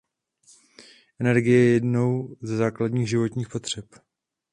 Energie je jednou ze základních životních potřeb.